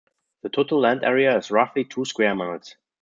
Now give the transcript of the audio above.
The total land area is roughly two square miles.